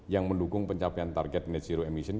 yang mendukung pencapaian target net zero emission